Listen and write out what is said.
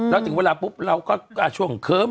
แล้วถึงเวลาปุ๊บเราก็ช่วงเคิ้ม